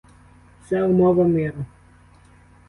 Це — умова миру!